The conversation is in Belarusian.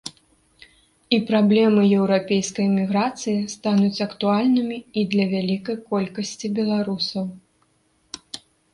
І праблемы еўрапейскай эміграцыі стануць актуальнымі і для вялікай колькасці беларусаў.